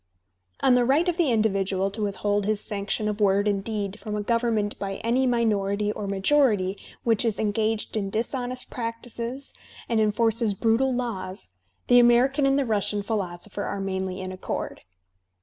On the right of the individual to withhold his sanction of word and deed from a government by any minority or majority which is engaged in dishonest practices and enforces Digitized by Google 174 THE SPmiT OP AMERICAN LITERATURE brutal laws, the American and the Russian philosopher are , mainly in accord.